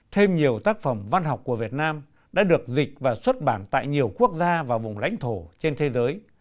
thêm nhiều tác phẩm văn học của việt nam đã được dịch và xuất bản tại nhiều quốc gia và vùng lãnh thổ trên thế giới